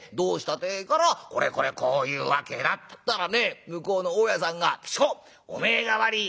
ってえからこれこれこういう訳だっつったらね向こうの大家さんが『吉公お前が悪い。